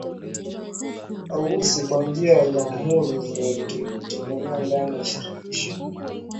la Urusi Kwa njia ya jamhuri zinazojitegemea ndani ya Shirikisho